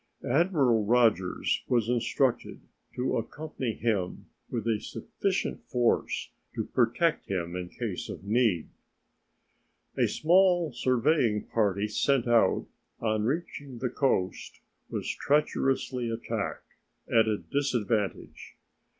Admiral Rodgers was instructed to accompany him with a sufficient force to protect him in case of need. A small surveying party sent out, on reaching the coast was treacherously attacked at a disadvantage.